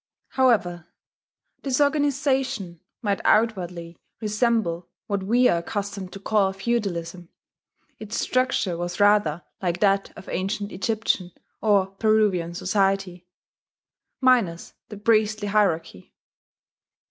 However this organization might outwardly resemble what we are accustomed to call feudalism, its structure was rather like that of ancient Egyptian or Peruvian society, minus the priestly hierarchy.